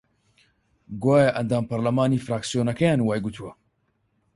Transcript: گوایە ئەندام پەرلەمانی فراکسیۆنەکەیان وای گوتووە